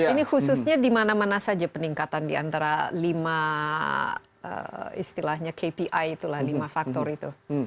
ini khususnya di mana mana saja peningkatan di antara lima istilahnya kpi itulah lima faktor itu